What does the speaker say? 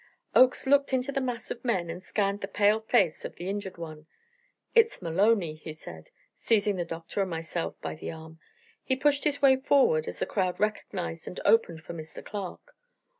Oakes looked into the mass of men and scanned the pale face of the injured one. "It's Maloney," he said, seizing the doctor and myself by the arm. He pushed his way forward as the crowd recognized and opened for Mr. Clark.